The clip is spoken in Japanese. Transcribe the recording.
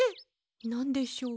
なんでしょう？